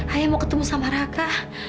ayah mau ketemu sama raka